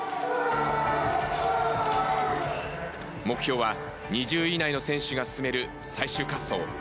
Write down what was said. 目標は２０位以内の選手が進める最終滑走。